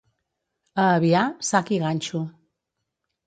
A Avià, sac i ganxo.